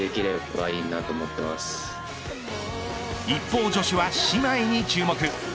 一方女子は姉妹に注目。